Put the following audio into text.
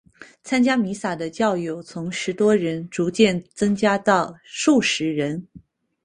参加弥撒的教友从十多人逐渐增加到数十人。